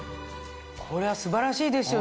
これは素晴らしいですよ